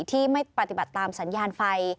ที่ไม่ปฏิบัติตามสัญญาณไฟ